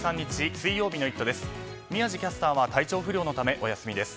水曜日の「イット！」です。